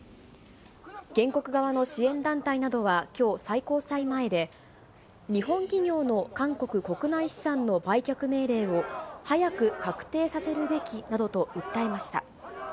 原告側の支援団体などは、きょう、最高裁前で、日本企業の韓国国内資産の売却命令を早く確定させるべきなどと訴えました。